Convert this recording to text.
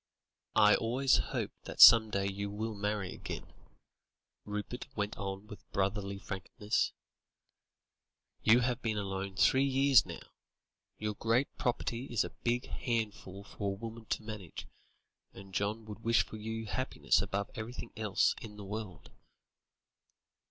"I always hope that some day you will marry again," Rupert went on with brotherly frankness; "you have been alone three years now. Your great property is a big handful for a woman to manage, and John would wish for your happiness above everything else in the world."